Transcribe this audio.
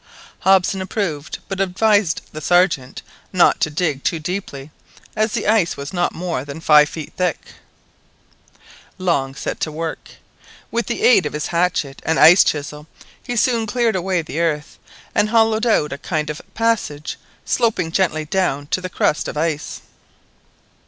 Hobson approved, but advised the Sergeant not to dig too deeply, as the ice was not more than five feet thick. Long set to work. With the aid of his hatchet and ice chisel he had soon cleared away the earth, and hollowed out a kind of passage sloping gently down to the crust of ice.